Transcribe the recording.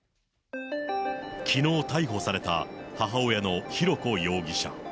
きのう逮捕された母親の浩子容疑者。